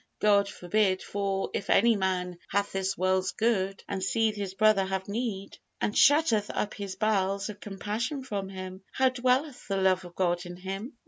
God forbid, for, if any man "hath this world's good, and seeth his brother have need, and shutteth up his bowels of compassion from him, how dwelleth the love of God in him?"